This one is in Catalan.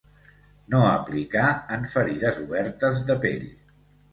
No aplicar en ferides obertes de pell.